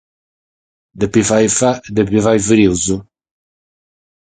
depet fàghere fritu